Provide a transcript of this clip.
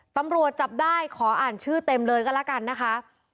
ตำรวจจับได้ขออ่านชื่อเต็มเลยก็แล้วกันนะคะ